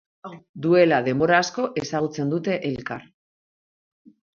Duela denbora asko ezagutzen dute elkar.